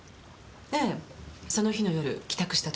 ええその日の夜帰宅した時に。